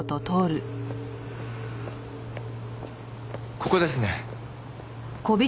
ここですね。